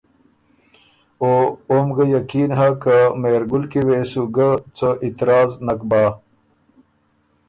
او اوم ګه یقین هۀ که مهرګل کی وې سو ګۀ څه اعتراض نک بَۀ۔